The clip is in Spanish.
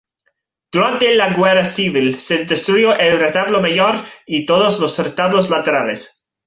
Durante la Guerra Civil se destruyó el retablo mayor y todos los retablos laterales.